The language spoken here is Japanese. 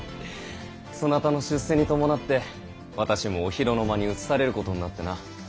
そなたの出世に伴って私もお広の間に移されることになってな。